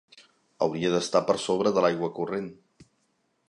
Hauria d'estar per sobre de l'aigua corrent.